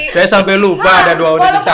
saya sampai lupa ada dua undang cantik